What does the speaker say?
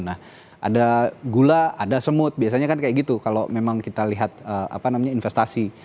nah ada gula ada semut biasanya kan kayak gitu kalau memang kita lihat apa namanya investasi